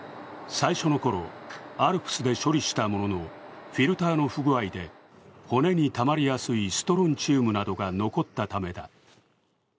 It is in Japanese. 最初のころ、ＡＬＰＳで処理したもののフィルターの不具合で骨にたまりやすいストロンチウムなどが残ったためだ。